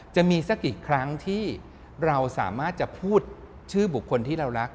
จะมีสักกี่ครั้งที่เราสามารถจะพูดชื่อบุคคลที่เรารัก